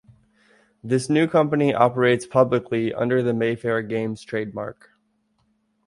This new company operates publicly under the Mayfair Games trademark.